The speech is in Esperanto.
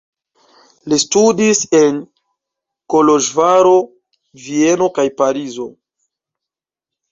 Li studis en Koloĵvaro, Vieno kaj Parizo.